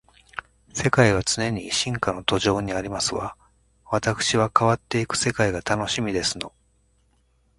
世界は常に進化の途上にありますわ。わたくしは変わっていく世界が楽しみですの